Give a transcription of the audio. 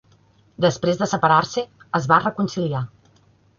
Després de separar-se, es van reconciliar.